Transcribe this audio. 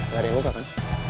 gak ada yang buka kan